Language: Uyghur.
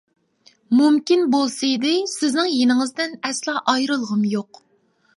مۇمكىن بولسىدى سىزنىڭ يېنىڭىزدىن ئەسلا ئايرىلغۇم يوق.